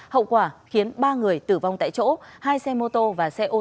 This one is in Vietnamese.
hậu quả khiến ba người tử vong tại chỗ hai xe mô tô và xe ô tô bị hư hỏng nặng